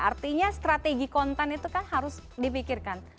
artinya strategi konten itu kan harus dipikirkan